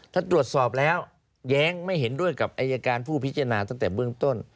ถ้าตรวจสอบแล้วแย้งไม่เห็นด้วยกับอายการผู้พิจารณาตั้งแต่เบื้องต้น